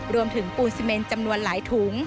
รวมถึงปูนซิเมนจำนวนหลายถุง